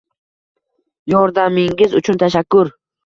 Yordamingiz uchun tashakkur!